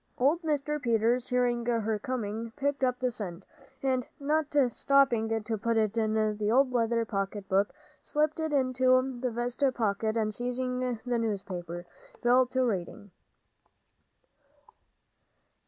Old Mr. Peters, hearing her coming, picked up the cent, and, not stopping to put it in the old leather pocket book, slipped it into his vest pocket, and seizing the newspaper, fell to reading.